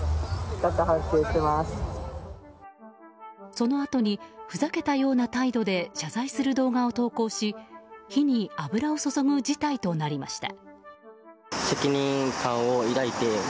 そのあとにふざけたような態度で謝罪する動画を投稿し火に油を注ぐ事態となりました。